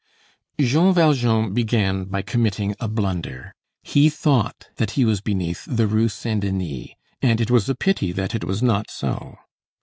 Jean Valjean began by committing a blunder. He thought that he was beneath the Rue Saint Denis, and it was a pity that it was not so.